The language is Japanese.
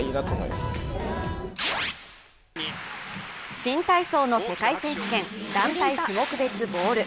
新体操の世界選手権団体種目別ボール。